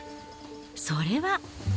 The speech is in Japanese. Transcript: それは。